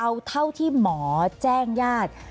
เอาเท่าที่หมอแจ้งญาติ